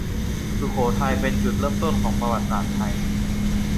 สุโขทัยเป็นจุดเริ่มต้นของประวัติศาสตร์ไทย